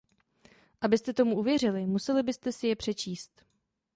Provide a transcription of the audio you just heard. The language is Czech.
Abyste tomu uvěřili, museli byste si je přečíst.